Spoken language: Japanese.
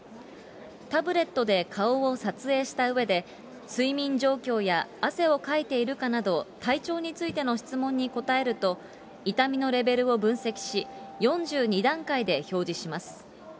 タブレットで顔を撮影したうえで、睡眠状況や汗をかいているかなど、体調についての質問に答えると、痛みのレベルを分析し、４２段階で表示します。